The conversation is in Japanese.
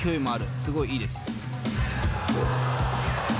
すごいいいです。